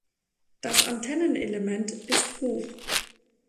Das Antennenelement ist hoch.